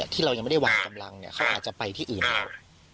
ที่เรายังไม่ได้วางกำลังเขาอาจจะไปที่อื่นแล้ว